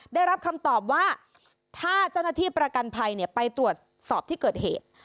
ได้รับคำตอบว่าถ้าเจ้าหน้าที่ประกันภัยไปตรวจสอบที่เกิดเหตุ